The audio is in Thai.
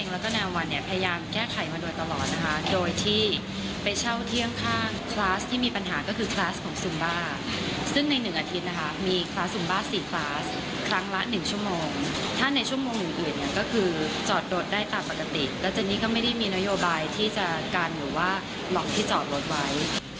และเจนนี่ก็ไม่ได้มีนโยบายที่จะการหรือว่าหลอกที่จอดรถไว้